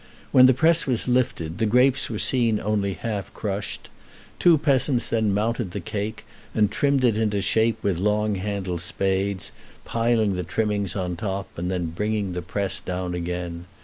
When the press was lifted, the grapes were seen only half crushed. Two peasants then mounted the cake, and trimmed it into shape with long handled spades, piling the trimmings on top, and then bringing the press down again.